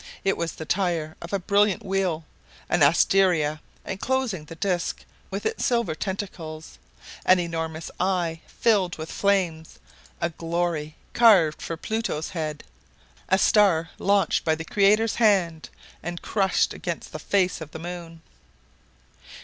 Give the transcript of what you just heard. It was the tire of a brilliant wheel, an asteria enclosing the disc with its silver tentacles, an enormous eye filled with flames, a glory carved for Pluto's head, a star launched by the Creator's hand, and crushed against the face of the moon!